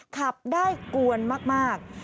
ขับได้กวนมาก